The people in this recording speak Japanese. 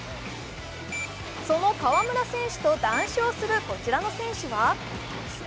その河村選手と談笑するこちらの選手は？